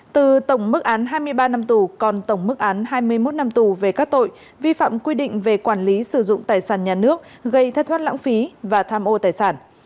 từ tổng mức án hai mươi ba năm tù còn tổng mức án hai mươi một năm tù về các tội vi phạm quy định về quản lý sử dụng tài sản nhà nước gây thất thoát lãng phí và tham ô tài sản